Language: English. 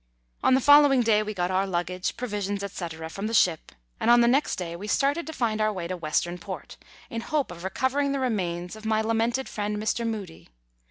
On the following day we got our luggage, provisions, &c., from the ship, 1 and on the next day we started to find our way to Western Port, in hope of recovering the remains of my lamented friend Mr. Mudie.